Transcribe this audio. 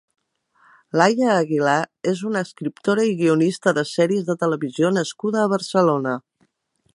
Laia Aguilar és una escriptora i guionista de sèries de televisió nascuda a Barcelona.